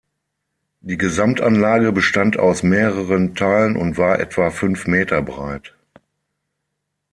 Die Gesamtanlage bestand aus mehreren Teilen und war etwa fünf Meter breit.